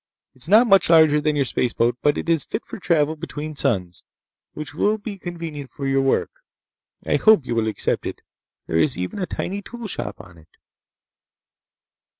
It is not much larger than your spaceboat, but it is fit for travel between suns, which will be convenient for your work. I hope you will accept it. There is even a tiny tool shop on it!"